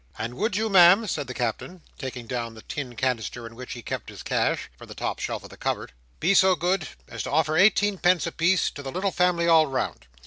"And would you, Ma'am," said the Captain, taking down the tin canister in which he kept his cash, from the top shelf of the cupboard, "be so good as offer eighteen pence a piece to the little family all round?